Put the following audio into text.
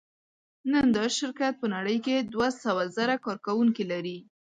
نن دا شرکت په نړۍ کې دوهسوهزره کارکوونکي لري.